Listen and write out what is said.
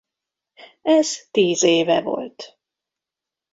Ez tíz éve volt.